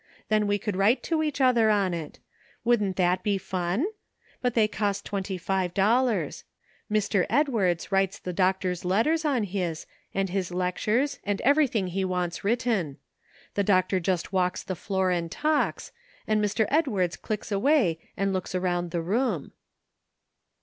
Then we could write to each other on it ; wouldn't that be fun? But they cost twenty five dollars. Mr. Edwards writes the doctor's letters on his, and his lectures and everything he wants writ ten. The doctor just walks the floor and talks, and Mr. Edwards clicks away and looks around the room."